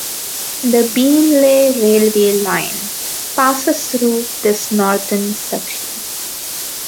The Beenleigh railway line passes through this northern section.